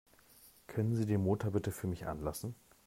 Können Sie den Motor bitte für mich anlassen?